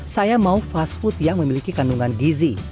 saya mau fast food yang memiliki kandungan gizi